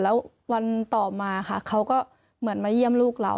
แล้ววันต่อมาค่ะเขาก็เหมือนมาเยี่ยมลูกเรา